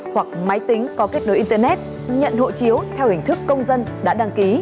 hoặc máy tính có kết nối internet nhận hộ chiếu theo hình thức công dân đã đăng ký